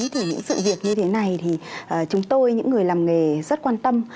thì những sự việc như thế này thì chúng tôi những người làm nghề rất quan tâm